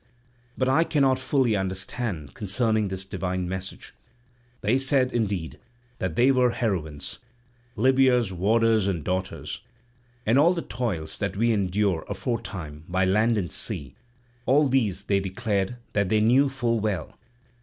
But I cannot fully understand concerning this divine message. They said indeed that they were heroines, Libya's warders and daughters; and all the toils that we endured aforetime by land and sea, all these they declared that they knew full well.